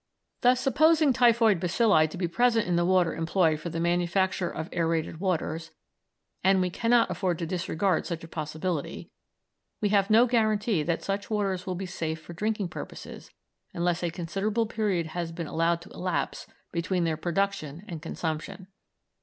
Thus supposing typhoid bacilli to be present in the water employed for the manufacture of aërated waters and we cannot afford to disregard such a possibility we have no guarantee that such waters will be safe for drinking purposes unless a considerable period has been allowed to elapse between their production and consumption.